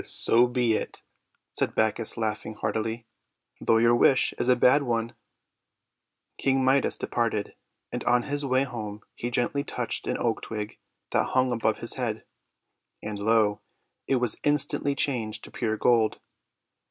"So be it," said Bacchus, laughing heartily, "though your wish is a bad one." King Midas departed, and on his way home he gently touched an oak twig that hung above his head. And, lo! it was instantly changed to pure gold!